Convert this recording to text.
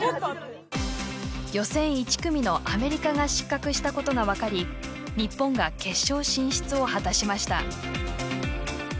予選１組のアメリカが失格したことが分かり日本が決勝進出を果たしました。